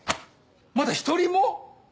まだ１人も？